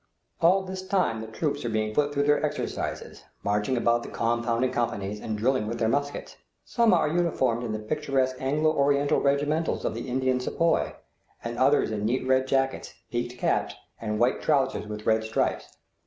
All this time the troops are being put through their exercises, marching about the compound in companies and drilling with their muskets. Some are uniformed in the picturesque Anglo Oriental regimentals of the Indian sepoy, and others in neat red jackets, peaked caps, and white trousers with red stripes.